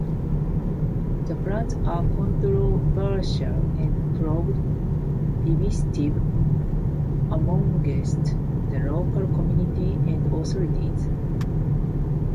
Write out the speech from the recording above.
The plans were controversial and proved divisive amongst the local community and authorities.